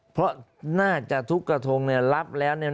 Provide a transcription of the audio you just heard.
เพราะน่าจะทุกกระทงเนี่ยรับแล้วเนี่ย